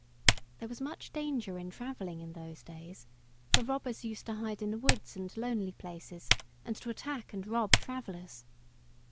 There was much danger in travelling in those days, for robbers used to hide in the woods and lonely places, and to attack and rob travellers.